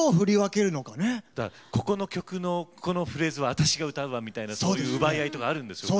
だからここの曲のこのフレーズは私が歌うわみたいなそういう奪い合いとかあるんでしょうね。